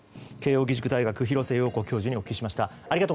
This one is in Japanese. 慶應義塾大学廣瀬陽子教授にお聞きしました。